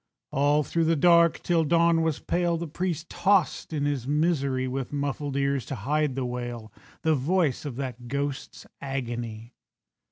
All through the dark, till dawn was pale, The priest tossed in his misery, With muffled ears to hide the wail, The voice of that ghost's agony.